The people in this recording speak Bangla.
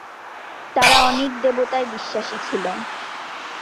তারা অনেক দেবতায় বিশ্বাসী ছিল।